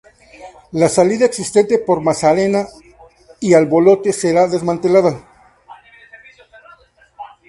La salida existente por Maracena y Albolote será desmantelada.